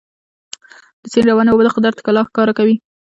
د سیند روانې اوبه د قدرت ښکلا ښکاره کوي.